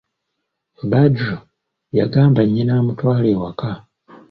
Badru, yagamba nnyina amutwale ewaka.